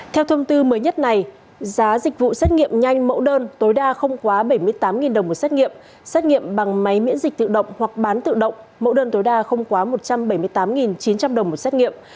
theo thông tư mới nhất này giá dịch vụ xét nghiệm nhanh mẫu đơn tối đa không quá bảy mươi tám đồng một xét nghiệm xét nghiệm bằng máy miễn dịch tự động hoặc bán tự động mẫu đơn tối đa không quá một trăm bảy mươi tám chín trăm linh đồng một xét nghiệm